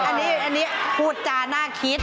อันนี้พูดจาน่าคิด